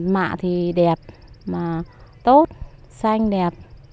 mạ thì đẹp mà tốt xanh đẹp